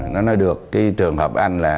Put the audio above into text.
nó nói được cái trường hợp anh là